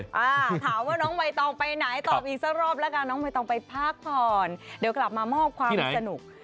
อ่าถามว่าน้องใบตองไปไหนตอบอีกสักรอบแล้วกันน้องใบตองไปพักผ่อนเดี๋ยวกลับมามอบความสนุก